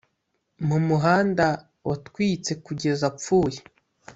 mu muhanda watwitse kugeza apfuye